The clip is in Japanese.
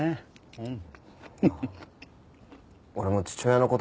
うん。